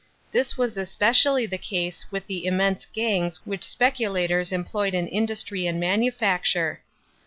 This was especially the case with the inn, ense gamis which speculators em lo\ed in indusiry and manu act' re.